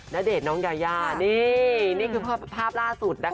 ณเดชน์น้องยายานี่นี่คือภาพล่าสุดนะคะ